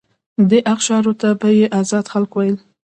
دې اقشارو ته به یې آزاد خلک ویل.